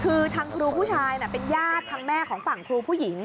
คือทางครูผู้ชายเป็นญาติทางแม่ของฝั่งครูผู้หญิง